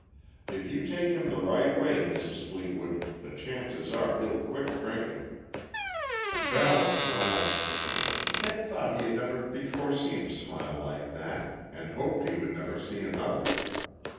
If you take him the right way, Mrs. Fleetwood, the chances are he'll quit drinking." Val smiled. Kent thought he had never before seen a smile like that, and hoped he never would see another.